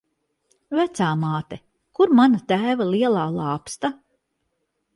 Vecāmāte, kur mana tēva lielā lāpsta?